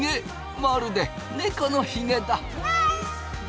まるで猫のひげだ。